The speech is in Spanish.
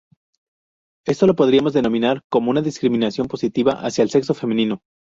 Esto lo podríamos denominar como una discriminación positiva hacia el sexo femenino.